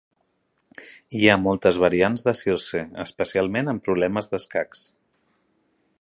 Hi ha moltes variants de Circe, especialment en problemes d'escacs.